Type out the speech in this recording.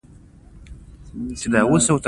د ښځينه تناسلي اله، کوس نوميږي